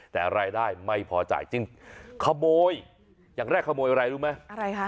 แต่รายได้ไม่พอจ่ายจึงขโมยอย่างแรกขโมยอะไรรู้ไหมอะไรคะ